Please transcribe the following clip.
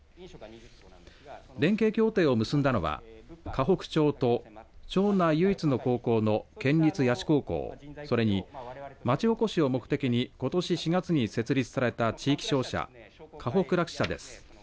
連携協定を結んだのは河北町と町内唯一の高校の県立谷地高校それに町おこしを目的にことし４月に設立された地域商社かほくらし社です。